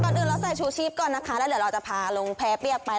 อื่นเราใส่ชูชีพก่อนนะคะแล้วเดี๋ยวเราจะพาลงแพ้เปียกไป